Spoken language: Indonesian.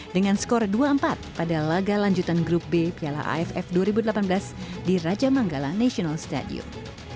dengan skor dua empat pada laga lanjutan grup b piala aff dua ribu delapan belas di raja manggala national stadium